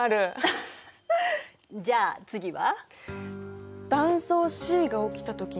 はいじゃあ次は？